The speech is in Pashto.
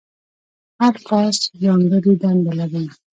هر کاسټ ځانګړې دنده لرله.